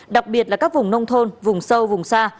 đặc biệt là các vùng nông thôn vùng sâu vùng xa